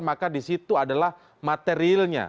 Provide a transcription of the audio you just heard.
maka di situ adalah materialnya